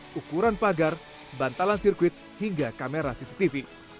ukuran pagar bantalan sirkuit hingga kamera cctv